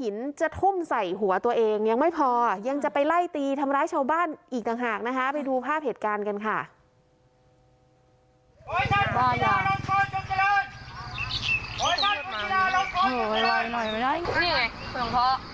หินจะทุ่มใส่หัวตัวเองยังไม่พอยังจะไปไล่ตีทำร้ายชาวบ้านอีกต่างหากนะคะไปดูภาพเหตุการณ์กันค่ะ